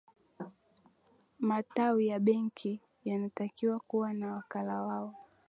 matawi ya benki yanatakiwa kuwa na wakala wao